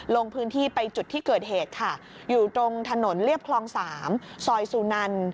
ลงพื้นที่ไปจุดที่เกิดเหตุค่ะอยู่ตรงถนนเรียบคลอง๓ซอยสุนัน